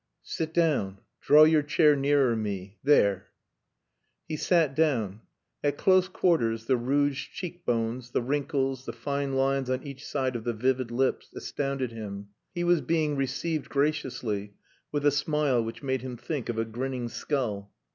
"Sit down. Draw your chair nearer me. There " He sat down. At close quarters the rouged cheekbones, the wrinkles, the fine lines on each side of the vivid lips, astounded him. He was being received graciously, with a smile which made him think of a grinning skull.